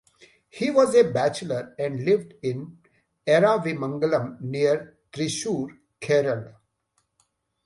He was a bachelor and lived in Eravimangalam near Thrissur, Kerala.